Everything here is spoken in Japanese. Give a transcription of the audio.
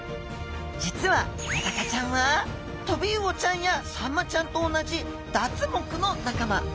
実はメダカちゃんはトビウオちゃんやサンマちゃんと同じダツ目の仲間。